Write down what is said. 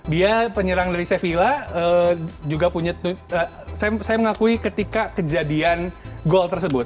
dia penyerang dari sevilla juga punya saya mengakui ketika kejadian gol tersebut